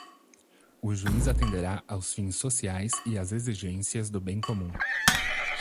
o juiz atenderá aos fins sociais e às exigências do bem comum